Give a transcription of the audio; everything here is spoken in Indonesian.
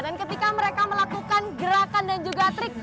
dan ketika mereka melakukan gerakan dan juga trik